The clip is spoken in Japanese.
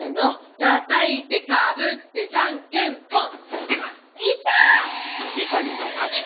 たたいてかぶってじゃんけんぽん！